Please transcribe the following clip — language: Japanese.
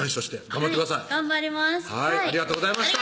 頑張ります